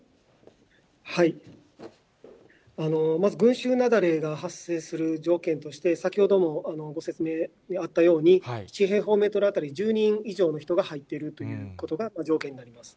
まず群衆雪崩が発生する条件として、先ほどもご説明あったように、１平方メートル当たり１０人以上の人が入っているということが条件になります。